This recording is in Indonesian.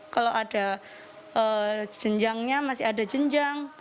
kalau ada jenjangnya masih ada jenjang